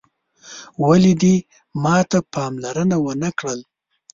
ولي دې ماته پاملرنه وه نه کړل